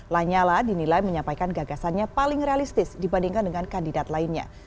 lanyala dinilai menyampaikan gagasannya paling realistis dibandingkan dengan kandidat lainnya